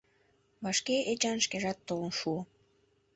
Вашке Эчан шкежат толын шуо.